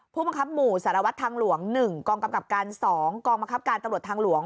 ผู้บังคับหมู่สารวัตรทางหลวง๑กองกำกับการ๒กองบังคับการตำรวจทางหลวง